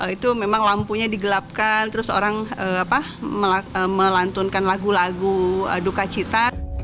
itu memang lampunya digelapkan terus orang melantunkan lagu lagu duka cita